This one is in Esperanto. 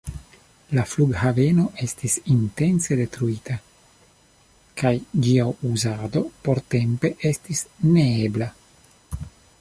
La flughaveno estis intence detruita, kaj ĝia uzado portempe estis neebla.